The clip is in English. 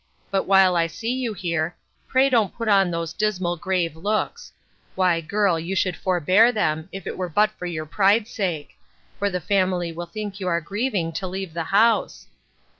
But while I see you here, pray don't put on those dismal grave looks: Why, girl, you should forbear them, if it were but for your pride sake; for the family will think you are grieving to leave the house.